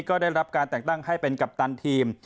ก็ได้รับการแต่งตั้งให้เป็นกัปตันทีม